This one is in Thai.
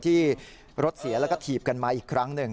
ที่รถเสียแล้วก็ถีบกันมาอีกครั้งหนึ่ง